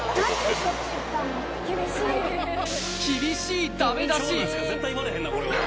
厳しいダメ出し。